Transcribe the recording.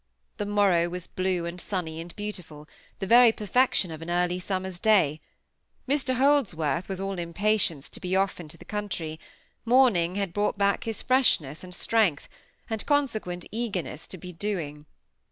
The morrow was blue and sunny, and beautiful; the very perfection of an early summer's day. Mr Holdsworth was all impatience to be off into the country; morning had brought back his freshness and strength, and consequent eagerness to be doing.